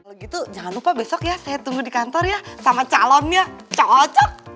kalau gitu jangan lupa besok ya saya tunggu di kantor ya sama calonnya cocok